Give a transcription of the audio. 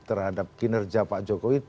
terhadap kinerja pak jokowi